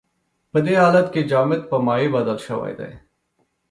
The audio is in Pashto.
په دې حالت کې جامد په مایع بدل شوی دی.